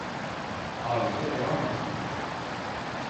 Arıza devam etmekte